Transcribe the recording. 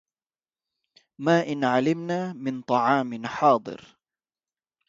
ما إن علمنا من طعام حاضر